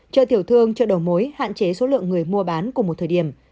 chợ tiểu thương chợ đầu mối hạn chế số lượng người mua bán của một thời điểm